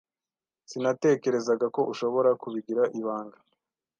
Sinatekerezaga ko ushobora kubigira ibanga.